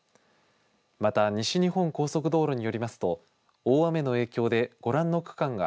また西日本高速道路によりますと大雨の影響で、ご覧の区間が